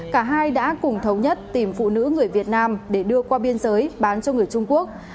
cả hai đã cùng thống nhất tìm phụ nữ người việt nam để đưa qua biên giới bán cho người trung quốc